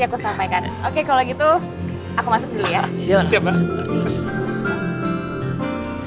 aku sampaikan oke kalau gitu aku masuk dulu ya